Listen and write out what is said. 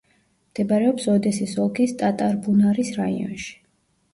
მდებარეობს ოდესის ოლქის ტატარბუნარის რაიონში.